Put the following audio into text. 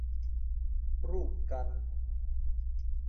รูปกัน